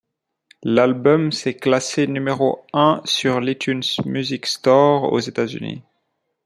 L'album s'est classé numéro un sur l'iTunes Music Store aux États-Unis.